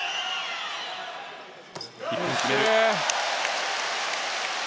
１本、決める。